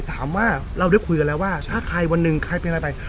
ถามว่าเราได้คุยกันแล้วว่าถ้าใครวันหนึ่งใครเป็นอะไรไป